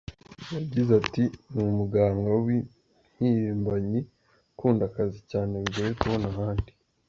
Yagize ati “Ni umuganga w’impirimbanyi, ukunda akazi cyane, bigoye kubona ahandi.